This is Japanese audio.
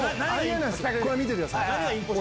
これ、見てください。